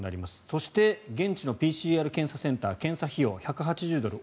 そして現地のＰＣＲ検査センター検査費用は１８０ドル